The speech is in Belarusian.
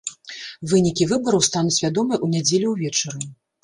Вынікі выбараў стануць вядомыя ў нядзелю ўвечары.